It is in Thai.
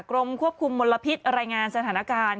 กรมควบคุมมลพิษรายงานสถานการณ์